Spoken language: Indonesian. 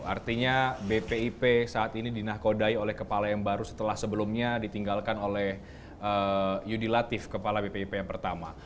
artinya bpip saat ini dinakodai oleh kepala yang baru setelah sebelumnya ditinggalkan oleh yudi latif kepala bpip yang pertama